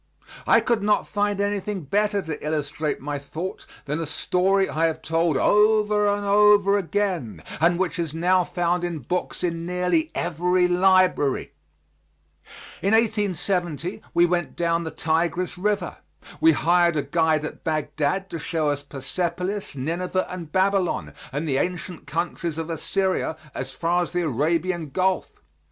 I could not find anything better to illustrate my thought than a story I have told over and over again, and which is now found in books in nearly every library. In 1870 we went down the Tigris River. We hired a guide at Bagdad to show us Persepolis, Nineveh and Babylon, and the ancient countries of Assyria as far as the Arabian Gulf.